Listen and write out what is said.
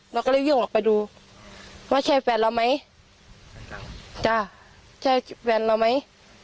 เราก็เลยวิ่งออกไปดูว่าใช่แฟนเราไหมจ้ะใช่แฟนเราไหม